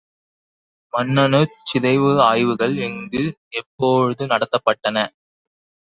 முன்னணுச் சிதைவு ஆய்வுகள் எங்கு, எப்பொழுது நடத்தப் பட்டன?